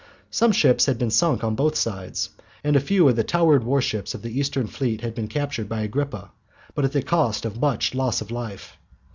Some ships had been sunk on both sides, and a few of the towered warships of the Eastern fleet had been captured by Agrippa, but at the cost of much loss of life.